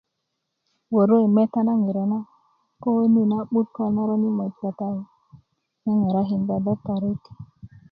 woro i meta na ŋiro na puoni na'but ko naron ŋaŋarakinda do pari